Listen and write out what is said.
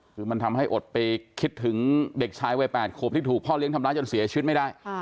คือมันทำให้อดไปคิดถึงเด็กชายวัย๘ขวบที่ถูกพ่อเลี้ยงทำร้ายจนเสียชีวิตไม่ได้